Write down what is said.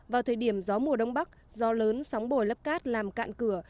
vào thời điểm gió mùa đông bắc do lớn sóng bồi lấp cát làm cạn cửa